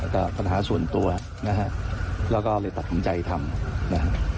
แต่ปัญหาส่วนตัวนะฮะแล้วก็เลยตัดสินใจทำนะฮะ